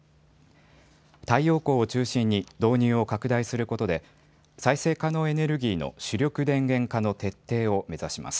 太陽光を中心に導入を拡大することで再生可能エネルギーの主力電源化の徹底を目指します。